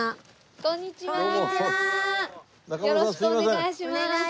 よろしくお願いします。